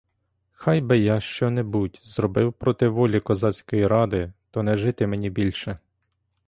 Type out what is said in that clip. Хай би я що-небудь зробив проти волі козацької ради, то не жити мені більше.